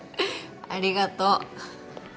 ありがとう。